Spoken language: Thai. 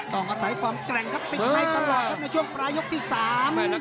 ต้องอาศัยฝรั่งแกร่งครับติดไหนตลอดครับในช่วงปลายกรุ่งที่๓